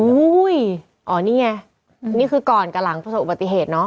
อ๋อนี่เนี่ยนี่คือก่อนกล่าหลังพบปฏิเหตุเนาะ